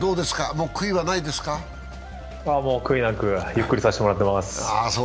もう悔いなくゆっくりさせてもらっています。